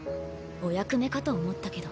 お役目かと思ったけど。